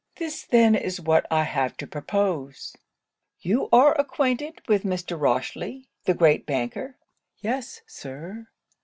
This then is what I have to propose You are acquainted with Mr. Rochely, the great banker?' 'Yes, Sir.'